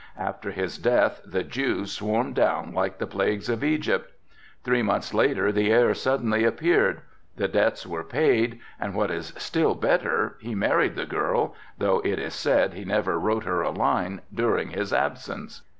After his death the Jews swarmed down like the plagues of Egypt. Three months later the heir suddenly appeared. The debts were paid and what is still better, he married the girl, though it is said he never wrote her a line during his absence."